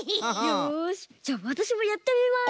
よしじゃわたしもやってみます。